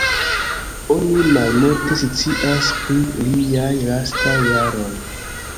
Oni malmulte scias pri liaj lastaj jaroj.